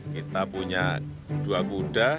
kita punya dua kuda